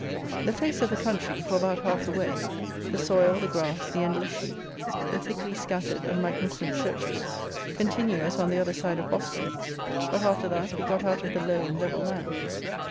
The face of the country, for about half the way, the soil, the grass, the endless sheep, the thickly scattered and magnificent churches, continue as on the other side of Boston; but, after that, we got out of the low and level land.